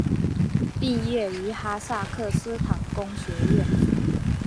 毕业于哈萨克斯坦工学院。